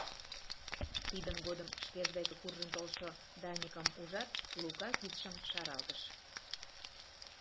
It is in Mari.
Тидын годым шкеж деке куржын толшо Даникым ужат, Лука кидшым шаралтыш.